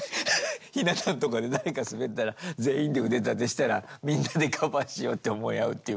ひな壇とかで誰かスベったら全員で腕立てしたらみんなでカバーしようって思い合うっていうかさ。